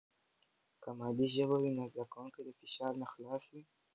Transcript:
که مادي ژبه وي، نو زده کوونکي د فشار نه خلاص وي.